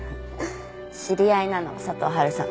知り合いなの佐藤春さん。